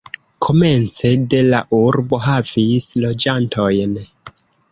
Komence de la urbo havis loĝantojn.